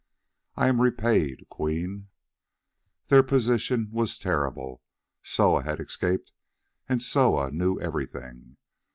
"I AM REPAID, QUEEN" Their position was terrible. Soa had escaped, and Soa knew everything.